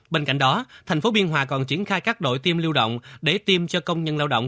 bên cạnh đó thành phố biên hòa còn triển khai các đội tiêm lưu động để tiêm cho công nhân lao động